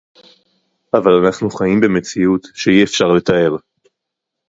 אבל אנחנו חיים במציאות שאי-אפשר לתאר